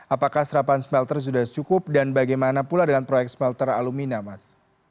apakah serapan smelter sudah cukup dan bagaimana pula dengan proyek smelter alumina mas